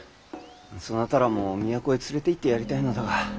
そなたらも都へ連れていってやりたいのだが。